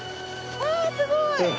わあすごい！